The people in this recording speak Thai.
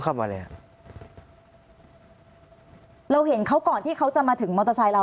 เข้ามาแล้วเราเห็นเขาก่อนที่เขาจะมาถึงมอเตอร์ไซค์เรา